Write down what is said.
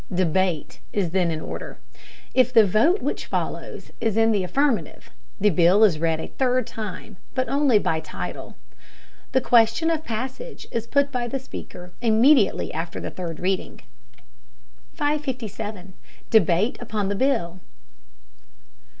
Debate is then in order. If the vote which follows is in the affirmative, the bill is read a third time, but only by title. The question of passage is put by the Speaker immediately after the third reading. 557. DEBATE UPON THE BILL.